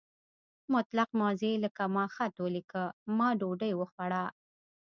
مطلق ماضي لکه ما خط ولیکه یا ما ډوډۍ وخوړه.